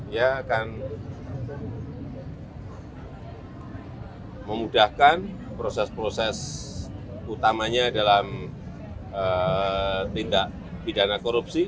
ya akan memudahkan proses proses utamanya dalam tindak pidana korupsi